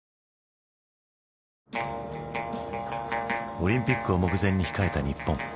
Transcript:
オリンピックを目前に控えた日本。